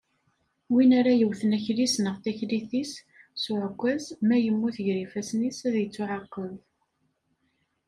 Win ara yewwten akli-s neɣ taklit-is s uɛekkaz, ma yemmut gar ifassen-is, ad ittuɛaqeb.